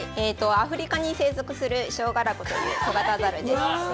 アフリカに生息するショウガラゴという小型ザルです。